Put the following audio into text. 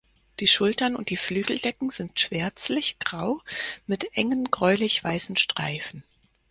Die Schultern und die Flügeldecken sind schwärzlich grau mit engen gräulich weißen Streifen.